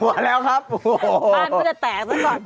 อ้าวจะแตกซะก่อน